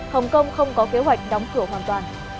hồng kông không có kế hoạch đóng cửa hoàn toàn